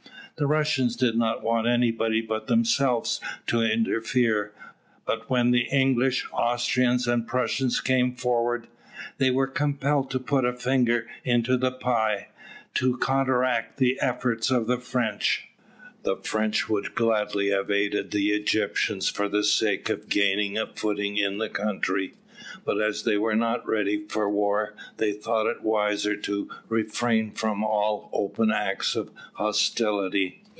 The Russians did not want anybody but themselves to interfere, but when the English, Austrians, and Prussians came forward, they were compelled to put a finger into the pie, to counteract the efforts of the French. The French would gladly have aided the Egyptians for the sake of gaining a footing in the country, but as they were not ready for war they thought it wiser to refrain from all open acts of hostility.